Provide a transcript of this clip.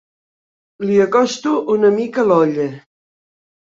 Li acosto una mica l'olla.